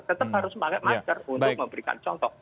tetap harus pakai masker untuk memberikan contoh